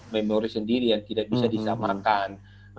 memori sendiri yang tidak bisa disamakan